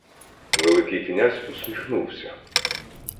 Великий князь усміхнувся: